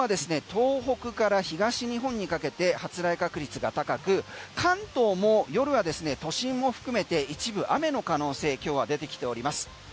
東北から東日本にかけて発雷確率が高く関東も夜はですね都心も含めて一部雨の可能性今日は出てきております。